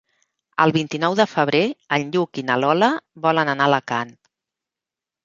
El vint-i-nou de febrer en Lluc i na Lola volen anar a Alacant.